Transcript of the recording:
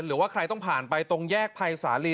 หรือว่าใครต้องผ่านไปตรงแยกภัยสาลี